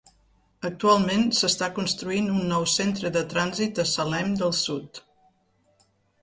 Actualment s'està construint un nou Centre de Trànsit a Salem del Sud.